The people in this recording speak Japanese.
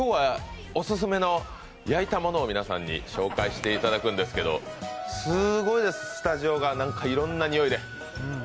オススメの焼いたものを皆さんに紹介していただくんですけどすごいです、スタジオがいろんな匂いで。